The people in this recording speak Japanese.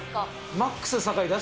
マックス酒井。